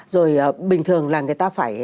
rồi bình thường là người ta phải